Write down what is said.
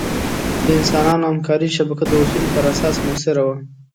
د انسانانو همکارۍ شبکه د اصولو پر اساس مؤثره وه.